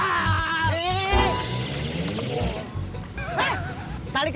tadi nemu di depan rumah emak